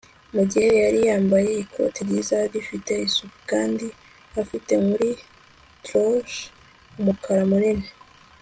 mugihe yari yambaye ikote ryiza, rifite isuku, kandi afite muri droshky umukara munini